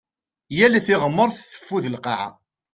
Yal tiɣmert teffud lqaɛa.